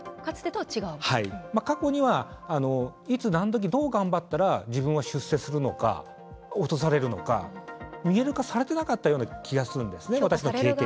過去には、いつ何時どう頑張ったら自分は出世するのか落とされるのか見える化されてなかったような気がするんですね。